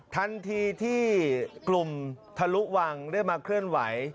ทันทีที่กลุ่มทะลุวังได้มาเคลื่อนไหว